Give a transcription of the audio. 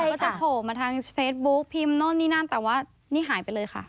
ก็จะโผล่มาทางเฟซบุ๊คพิมพ์โน่นนี่นั่นแต่ว่านี่หายไปเลยค่ะ